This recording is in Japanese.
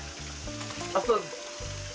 あっそうです。